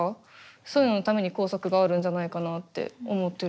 そういうののために校則があるんじゃないかなって思ってる。